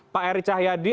pak eri cahyadi